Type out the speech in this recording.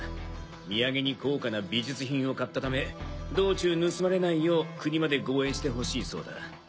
土産に高価な美術品を買ったため道中盗まれないよう国まで護衛してほしいそうだ。